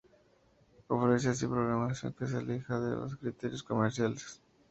Ofrece así una programación que se aleja de los criterios comerciales.